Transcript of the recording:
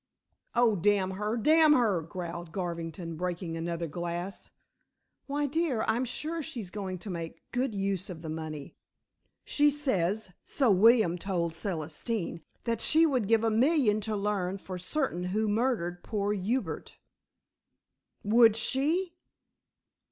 "Oh, damn her; damn her," growled Garvington, breaking another glass. "Why, dear. I'm sure she's going to make good use of the money. She says so William told Celestine that she would give a million to learn for certain who murdered poor Hubert." "Would she?